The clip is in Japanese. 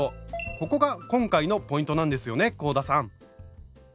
ここが今回のポイントなんですよね香田さん！